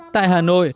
tại hà nội